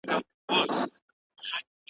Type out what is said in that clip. بيا په وينو اوبه کيږي .